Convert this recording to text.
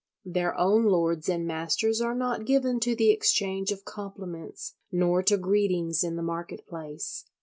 Their own lords and masters are not given to the exchange of compliments nor to greetings in the market place.